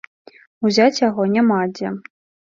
Узяць яго няма дзе.